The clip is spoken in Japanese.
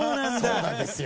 そうなんですよ。